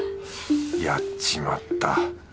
やっちまった。